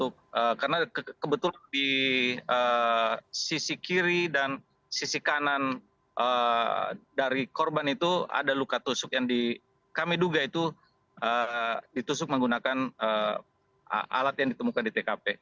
karena kebetulan di sisi kiri dan sisi kanan dari korban itu ada luka tusuk yang kami duga itu ditusuk menggunakan alat yang ditemukan di tkp